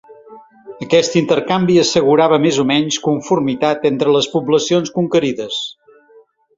Aquest intercanvi assegurava més o menys conformitat entre les poblacions conquerides.